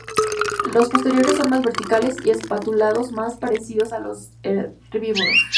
Los posteriores son más verticales y espatulados más parecidos a los de los herbívoros.